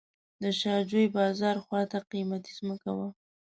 د شاه جوی بازار خواته قیمتي ځمکه وه.